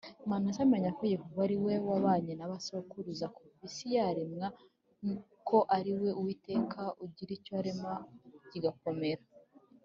Manase amenya ko Yehova ariwe wabanye nabasogukuruza kuva isi yaremwa ko ariwe Uwiteka ugira icyo arema kigakomera.